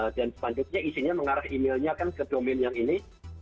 dan spanduknya isinya mengarah emailnya kan ke domain yang ini